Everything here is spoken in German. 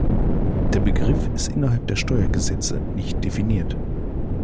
Der Begriff ist innerhalb der Steuergesetze nicht definiert.